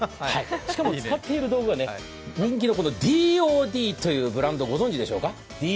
しかも、使っている人気は人気のＤＯＤというブランド、ご存じですか？